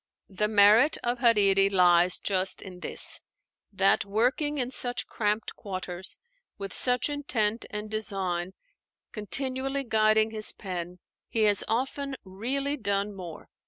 The merit of Hariri lies just in this: that working in such cramped quarters, with such intent and design continually guiding his pen, he has often really done more.